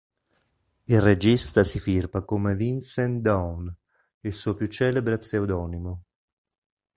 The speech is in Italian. Il regista si firma come "Vincent Dawn", il suo più celebre pseudonimo.